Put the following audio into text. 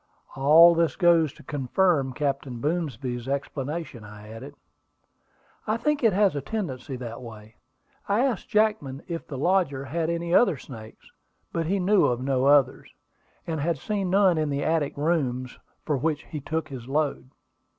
"All this goes to confirm Captain Boomsby's explanation," I added. "I think it has a tendency that way. I asked Jackman if the lodger had any other snakes; but he knew of no others, and had seen none in the attic rooms from which he took his load.